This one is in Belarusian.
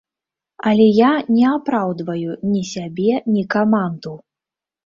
Але я не апраўдваю ні сябе, ні каманду.